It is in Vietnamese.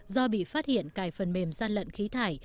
do bị phát hiện cài phần mềm gian lận khí thải